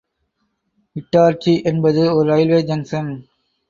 இட்டார்சி என்பது ஒரு railway junction.